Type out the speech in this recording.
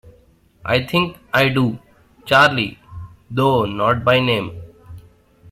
I think I do, Charley, though not by name.